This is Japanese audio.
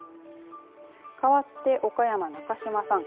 かわって岡山、中島さん。